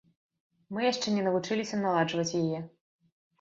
Мы яшчэ не навучыліся наладжваць яе.